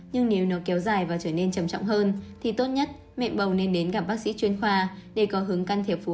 nhưng nếu nó kéo dài và trở nên trầm trọng hơn thì tốt nhất mẹ bầu nên đến gặp bác sĩ chuyên khoa để có hướng can thiệp phù hợp